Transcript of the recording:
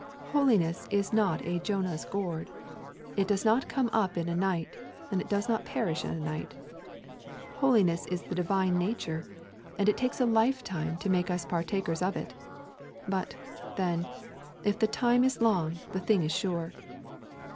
Holiness is not a Jonah's gourd. It does not come up in a night, and it does not perish in a night. Holiness is the Divine nature, and it takes a lifetime to make us partakers of it. But, then, if the time is long the thing is sure.